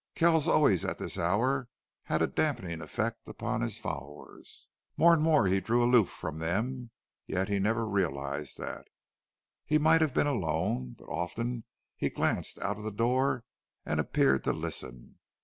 Kells always at this hour had a dampening effect upon his followers. More and more he drew aloof from them, yet he never realized that. He might have been alone. But often he glanced out of the door, and appeared to listen.